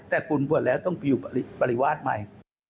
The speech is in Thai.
แต่คุณบวชแล้วต้องไปอยู่ปริวาสใหม่